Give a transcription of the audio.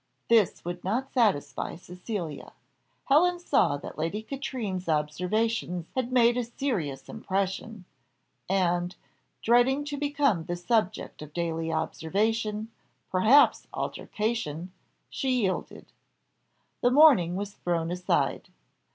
This would not satisfy Cecilia. Helen saw that Lady Katrine's observations had made a serious impression, and, dreading to become the subject of daily observation, perhaps altercation, she yielded. The mourning was thrown aside.